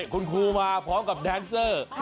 คุณครูมาพร้อมกับแดนเซอร์